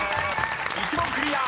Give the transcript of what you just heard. ［１問クリア！］